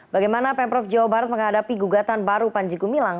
bagaimana pemprov jawa barat menghadapi gugatan baru panji gumilang